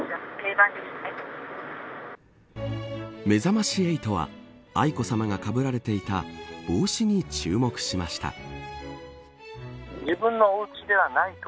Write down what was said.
めざまし８は愛子さまがかぶられていた帽子に注目しました。